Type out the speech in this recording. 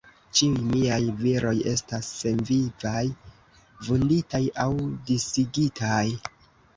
Ĉiuj miaj viroj estas senvivaj, vunditaj aŭ disigitaj.